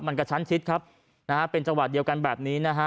มันกระชั้นชิดครับนะฮะเป็นจังหวะเดียวกันแบบนี้นะฮะ